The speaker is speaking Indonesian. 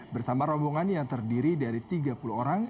bersama rombongan yang terdiri dari tiga puluh orang